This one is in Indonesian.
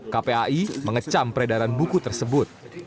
kpai mengecam peredaran buku tersebut